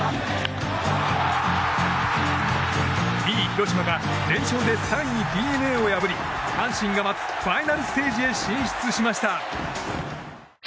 ２位、広島が連勝で３位、ＤｅＮＡを破り阪神が待つファイナルステージへ進出しました。